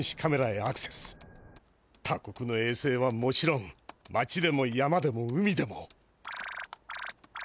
他国のえいせいはもちろんまちでも山でも海でも。